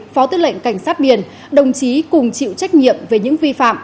phó tư lệnh cảnh sát biển đồng chí cùng chịu trách nhiệm về những vi phạm